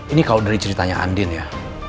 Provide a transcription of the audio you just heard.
ini kalau dari ceritanya andin ya